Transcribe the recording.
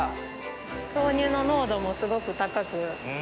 豆乳の濃度もすごく高く。